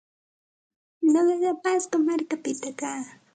Nuqaqa Pasco markapita kaa.